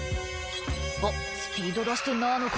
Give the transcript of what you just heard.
「おっスピード出してんなあの車」